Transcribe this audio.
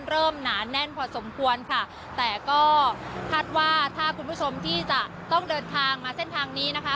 หนาแน่นพอสมควรค่ะแต่ก็คาดว่าถ้าคุณผู้ชมที่จะต้องเดินทางมาเส้นทางนี้นะคะ